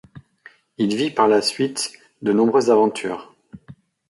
Il vit par la suite de nombreuses aventures.